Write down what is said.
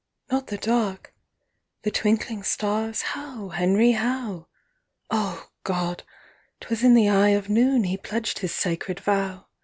not the dark? 45 The twinkling stars? How, Henry? How?' O God! 'twas in the eye of noon He pledged his sacred vow!